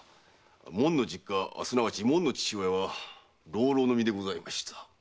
もんの実家すなわちもんの父親は浪々の身でございました。